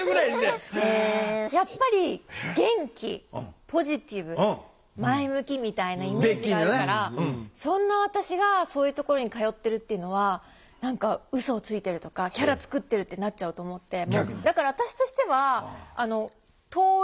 やっぱり元気ポジティブ前向きみたいなイメージがあるからそんな私がそういうところに通ってるっていうのは何かうそをついてるとかキャラ作ってるってなっちゃうと思って。